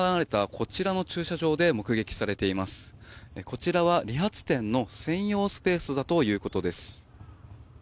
こちらは理髪店の専用スペースだということです。